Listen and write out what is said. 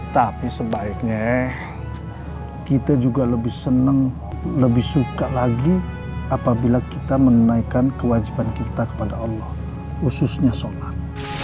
tapi sebaiknya kita juga lebih senang lebih suka lagi apabila kita menaikkan kewajiban kita kepada allah khususnya sholat